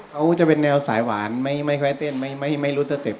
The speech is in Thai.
เขาจะเป็นแนวสายหวานไม่ค่อยเต้นไม่รู้สเต็ป